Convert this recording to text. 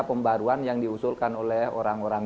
pembaruan yang diusulkan oleh orang orang